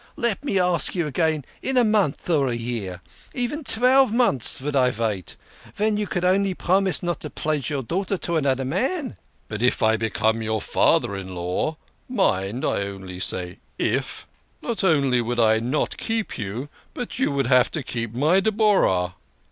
Let me ask you again in a month or a year even twelve months vould I vait, ven you vould only promise not to pledge yourself to anoder man." " But if I became your father in law mind, I only say if not only would I not keep you, but you would have to keep my Deborah."